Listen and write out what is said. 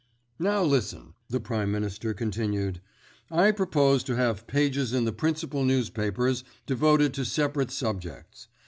"Now listen," the Prime Minister continued. "I propose to have pages in the principal newspapers devoted to separate subjects.